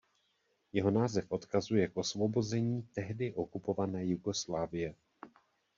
Jeho název odkazuje k "osvobození" tehdy okupované Jugoslávie.